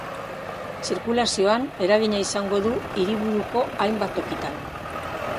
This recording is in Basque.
Zirkulazioan eragina izango du hiriburuko hainbat tokitan.